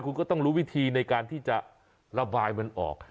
คุณก็ต้องรู้วิธีในการที่จะระบายมันออก